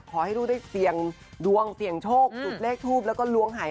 ขอให้ลูกได้เสี่ยงดวงเสี่ยงโชคจุดเลขทูปแล้วก็ล้วงหาย